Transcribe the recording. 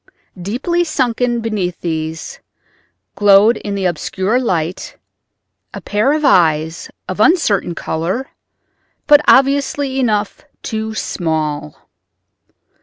Deeply sunken beneath these, glowed in the obscure light a pair of eyes of uncertain color, but obviously enough too small.